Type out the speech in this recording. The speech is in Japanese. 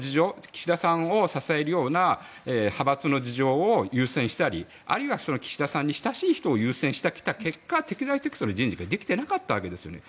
岸田さんを支えるような派閥の事情を優先したりあるいは岸田さんに親しい人を優先してきた結果適材適所の人事ができていなかったわけですよね。